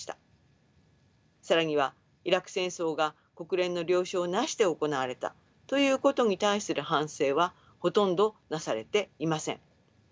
更にはイラク戦争が国連の了承なしで行われたということに対する反省はほとんどなされていません。